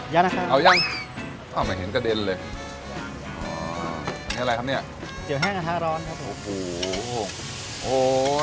ยังนะคะเอายังอ้าวไม่เห็นกระเด็นเลยยังอ๋ออันนี้อะไรครับเนี้ยเก๋วแห้งกระทะร้อนครับผมโอ้โห